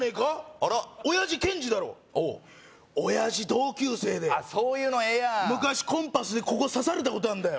あら親父ケンジだろおう親父同級生でそういうのええやん昔コンパスでここ刺されたことあんだよ